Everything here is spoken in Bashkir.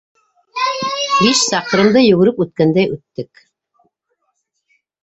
Биш саҡрымды йүгереп үткәндәй үттек.